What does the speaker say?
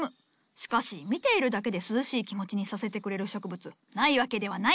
しかし見ているだけで涼しい気持ちにさせてくれる植物ないわけではない！